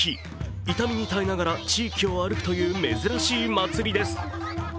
痛みに耐えながら地域を歩くという珍しい祭りです。